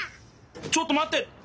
ちょっとまって。